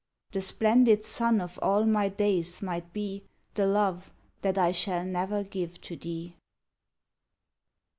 The splendid sun of all my days might be The love that I shall never give to thee.